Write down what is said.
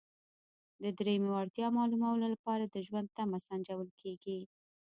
د دریمې وړتیا معلومولو لپاره د ژوند تمه سنجول کیږي.